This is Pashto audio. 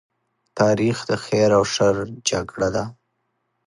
تاریخ د خیر او شر جګړه ده.